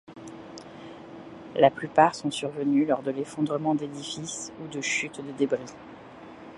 La plupart sont survenus lors de l'effondrement d'édifices ou de chutes de débris.